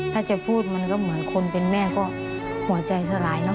ถ้าจะพูดมันก็เหมือนคนเป็นแม่ก็หัวใจสลายเนอ